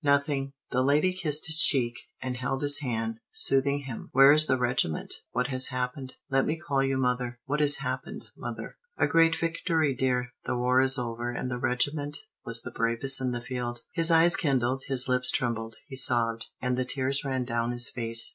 "Nothing." The lady kissed his cheek, and held his hand, soothing him. "Where is the regiment? What has happened? Let me call you mother. What has happened, mother?" "A great victory, dear. The war is over, and the regiment was the bravest in the field." His eyes kindled, his lips trembled, he sobbed, and the tears ran down his face.